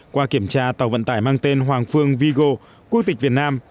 qua kiểm tra tàu vận tải mang tên hoàng phương vigo quốc tịch việt nam